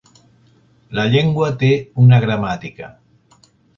La llengua té una gramàtica.